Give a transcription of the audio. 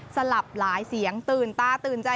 สลับหลายเสียงตื่นตาตื่นใจ